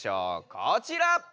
こちら！